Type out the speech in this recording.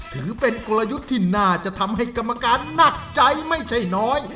ถือเป็นกลยุทธ์ที่น่าจะทำให้กรรมการหนักใจไม่ใช่น้อย